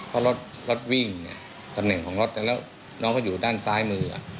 เพราะรถวิ่งเนี่ยตำแหน่งของรถแล้วน้องก็อยู่ด้านซ้ายมือ